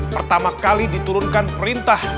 pertama kali diturunkan perintah